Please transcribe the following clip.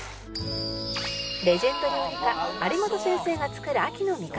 レジェンド料理家有元先生が作る秋の味覚